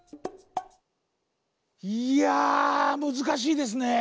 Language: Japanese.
いやむずかしいですね。